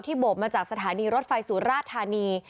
ที่โบบมาจากสถานีรถไฟสูรราชธานี